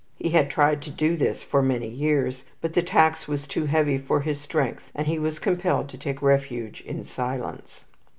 He had tried to do this for many years, but the tax was too heavy for his strength, and he was compelled to take refuge in silence.